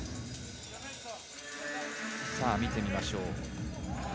見てみましょう。